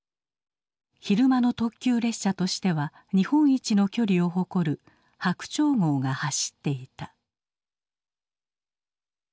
昼間の特急列車としては日本一の距離を誇る「白鳥号」が走っていた。